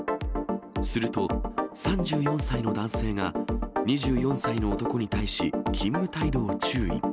すると３４歳の男性が、２４歳の男に対し、勤務態度を注意。